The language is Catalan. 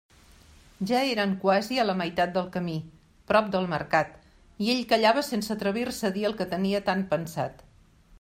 Ja eren quasi a la meitat del camí, prop del Mercat, i ell callava sense atrevir-se a dir el que tenia tan pensat.